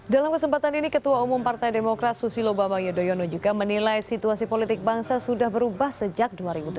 dalam kesempatan ini ketua umum partai demokrat susilo bambang yudhoyono juga menilai situasi politik bangsa sudah berubah sejak dua ribu delapan belas